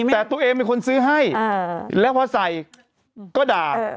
แต่ตัวเองเป็นคนซื้อให้แล้วพอใส่ก็ด่า